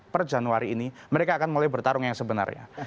per januari ini mereka akan mulai bertarung yang sebenarnya